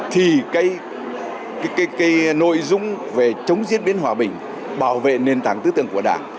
thì cái nội dung về chống diễn biến hòa bình bảo vệ nền tảng tư tưởng của đảng